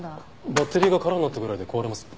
バッテリーが空になったぐらいで壊れます？